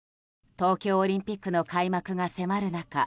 東京オリンピックの開幕が迫る中